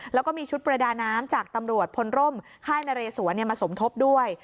แล้วก็มีชุดประดาน้ำจากตำรวจพลร่มค่ายนเรสวนมาสมทบด้วย